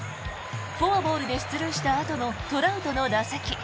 フォアボールで出塁したあとのトラウトの打席。